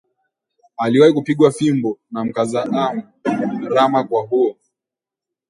Aliwahi kupigwa fimbo na mkaza amu Rama kwa huo